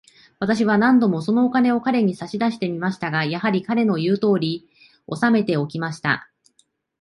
私は何度も、そのお金を彼に差し出してみましたが、やはり、彼の言うとおりに、おさめておきました。